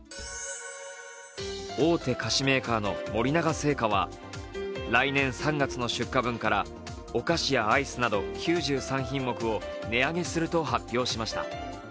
大手菓子メーカーの森永製菓は来年３月の出荷分からお菓子やアイスなど９３品目を値上げすると発表しました。